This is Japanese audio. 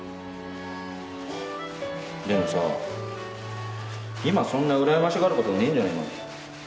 フッでもさ今そんなうらやましがる事ねえんじゃねえの？